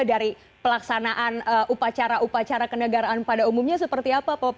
dari pelaksanaan upacara upacara kenegaraan pada umumnya seperti apa